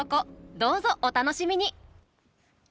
どうぞお楽しみに。